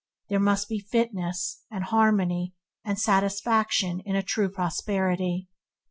There must be fitness, and harmony, and satisfaction in a true prosperity.